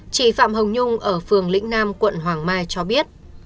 chị phạm hồng nhung ở phường lĩnh nam quận hoàng mai cho biết